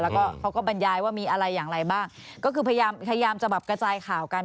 แล้วก็เขาก็บรรยายว่ามีอะไรอย่างไรบ้างก็คือพยายามพยายามจะแบบกระจายข่าวกัน